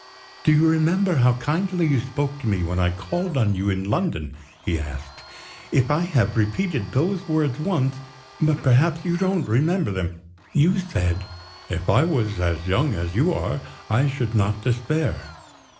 "Do you remember how kindly you spoke to me when I called on you in London?" he asked. "If I have repeated those words once but perhaps you don't remember them? You said: 'If I was as young as you are, I should not despair.